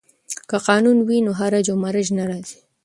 که قانون وي نو هرج و مرج نه راځي.